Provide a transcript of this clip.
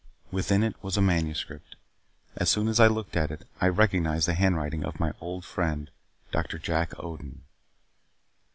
Within it was a manuscript. As soon as I looked at it I recognized the handwriting of my old friend, Doctor Jack Odin.